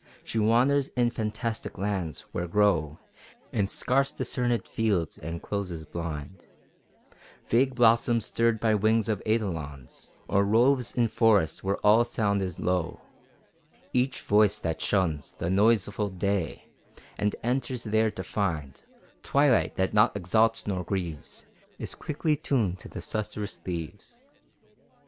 She wanders in fantastic lands, where grow In scarce discernèd fields and closes blind, Vague blossoms stirred by wings of eidolons; Or roves in forests where all sound is low: Each voice that shuns The noiseful day, and enters there to find Twilight that naught exalts nor grieves, Is quickly tuned to the susurrous leaves.